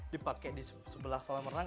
dipakai di sebelah kolam renang